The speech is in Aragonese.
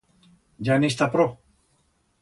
Ya en i'stá pro!